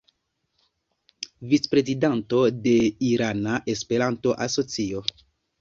Vicprezidanto de Irana Esperanto-Asocio.